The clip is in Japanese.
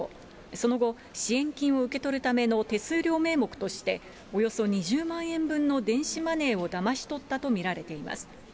その後、支援金を受け取るための手数料名目としておよそ２０万円分の電子マネーをだまし取ったと見られています。